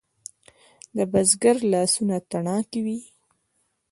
د بزګر لاسونه تڼاکې وي.